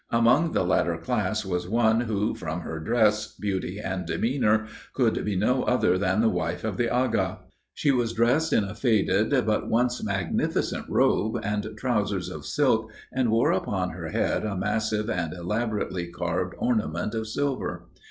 Among the latter class, was one, who, from her dress, beauty, and demeanor, could be no other than the wife of the Agha. She was dressed in a faded, but once magnificent robe, and trowsers of silk, and wore upon her head a massive and elaborately carved ornament of silver.